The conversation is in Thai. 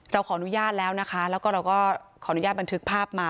เราขออนุญาตแล้วนะคะแล้วก็เราก็ขออนุญาตบันทึกภาพมา